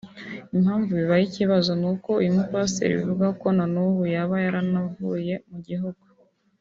Impamvu bibaye ikibazo ni uko uyu mupasiteri bivugwa ko noneho yaba yanavuye mu gihugu